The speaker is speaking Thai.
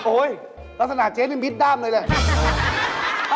โอ้ยลักษณะเจ๊เป็นมิสดำเลยแหละ